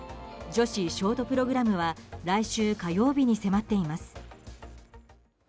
女子ショートプログラムは来週火曜日に迫っています。